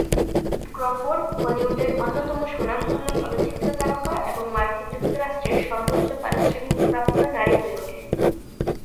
Crawford হলিউডের অন্যতম স্বনামধন্য চলচ্চিত্র তারকা এবং মার্কিন যুক্তরাষ্ট্রের সর্বোচ্চ পারিশ্রমিক প্রাপ্ত নারী হয়ে ওঠেন।